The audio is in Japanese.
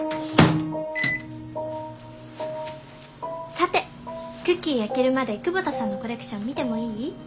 さてクッキー焼けるまで久保田さんのコレクション見てもいい？